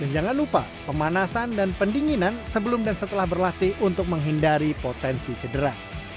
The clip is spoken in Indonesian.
dan jangan lupa pemanasan dan pendinginan sebelum dan setelah berlatih untuk menghindari potensi cedera